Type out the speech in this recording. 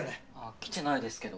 きてないですけど。